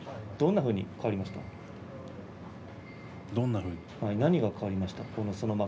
どんなふうに変わりましたか。